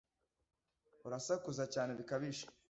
urasakuza cyane bikabije